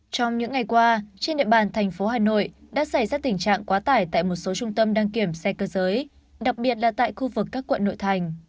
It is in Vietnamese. trong những ngày qua trên địa bàn thành phố hà nội đã xảy ra tình trạng quá tải tại một số trung tâm đăng kiểm xe cơ giới đặc biệt là tại khu vực các quận nội thành